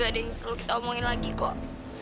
ada yang perlu kita omongin lagi kok